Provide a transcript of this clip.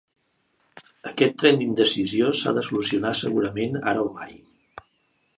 Aquest tren d'indecisió s'ha de solucionar segurament ara o mai.